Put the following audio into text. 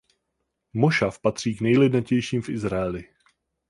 Mošav patří k nejlidnatějším v Izraeli.